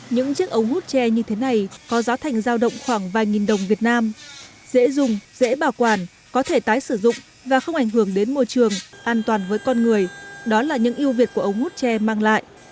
những chiếc ống hút che như thế này có giá thành giao động khoảng vài nghìn đồng việt nam dễ dùng dễ bảo quản có thể tái sử dụng và không ảnh hưởng đến môi trường an toàn với con người đó là những yêu việt của ống hút tre mang lại